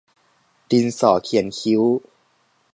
ดินสอเขียนคิ้ว